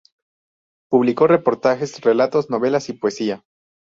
Publicó reportajes, relatos, novelas y poesía.